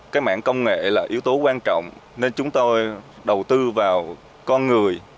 công nghệ là yếu tố quan trọng nên chúng tôi đầu tư vào con người